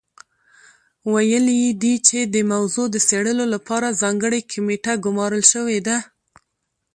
ویلي یې دي چې د موضوع د څېړلو لپاره ځانګړې کمېټه ګمارل شوې ده.